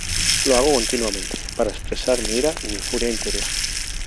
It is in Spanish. Lo hago continuamente para expresar mi ira y furia interior.